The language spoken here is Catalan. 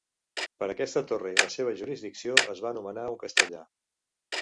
Per aquesta torre i la seva jurisdicció es va nomenar un castellà.